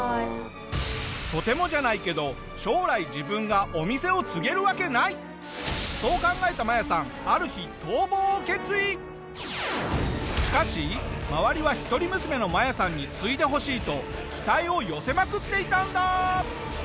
とてもじゃないけど将来そう考えたマヤさんある日しかし周りは一人娘のマヤさんに継いでほしいと期待を寄せまくっていたんだ！